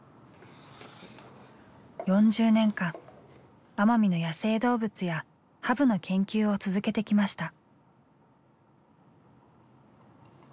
４０年間奄美の野生動物やハブの研究を続けてきました。